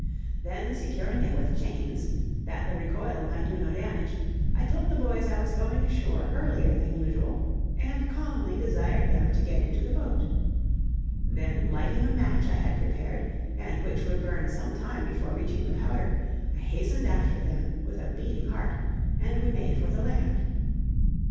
Then securing it with chains, that the recoil might do no damage, I told the boys I was going ashore earlier than usual, and calmly desired them to get into the boat. Then lighting a match I had prepared, and which would burn some time before reaching the powder, I hastened after them with a beating heart, and we made for the land.